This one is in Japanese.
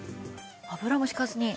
油も引かずに？